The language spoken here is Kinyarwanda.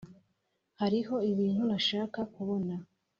hariho ibintu ntashaka kubona,